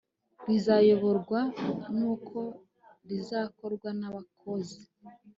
rizayoborwa n uko rizakorwa nabakozi